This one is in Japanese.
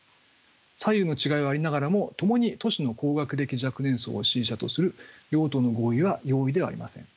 左右の違いはありながらも共に都市の高学歴若年層を支持者とする両党の合意は容易ではありません。